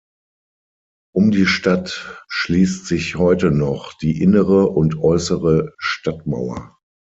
Um die Stadt schließt sich heute noch die innere und äußere Stadtmauer.